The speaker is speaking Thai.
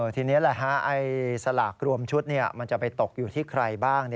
ทีนี้สลากรวมชุดมันจะไปตกอยู่ที่ใครบ้าง